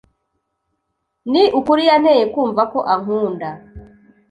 ni ukuri yanteye kumva ko ankunda